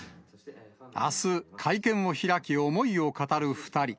あす、会見を開き、思いを語る２人。